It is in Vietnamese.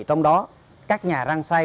trong đó các nhà răng xay